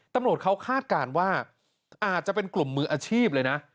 ตำรวจเขาคาดการณ์ว่าอาจจะเป็นกลุ่มมืออาชีพเลยนะ